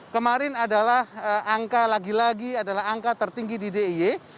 kemarin adalah angka lagi lagi adalah angka tertinggi di d i e